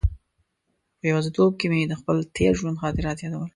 په یوازې توب کې مې د خپل تېر ژوند خاطرات یادول.